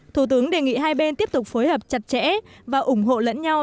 thủ tướng đề nghị hai bên tiếp tục phối hợp chặt chẽ và ủng hộ lẫn nhau